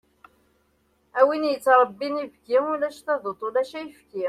Am win yettrebbin ibki, ulac taduṭ ulac ayefki.